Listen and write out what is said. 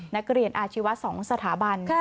นักเรียนอาชีวะ๒สถาบัน